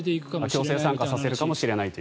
強制参加させるかもしれないと。